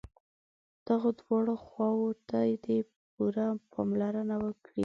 دغو دواړو خواوو ته دې پوره پاملرنه وکړي.